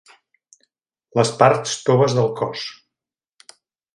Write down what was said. Les parts toves del cos.